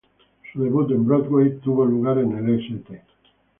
Su debut en Broadway tuvo lugar en el St.